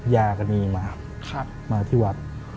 ยาก็นี่มามาที่วัด